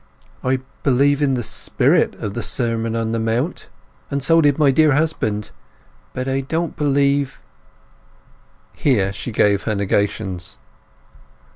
"I believe in the spirit of the Sermon on the Mount, and so did my dear husband.... But I don't believe—" Here she gave her negations.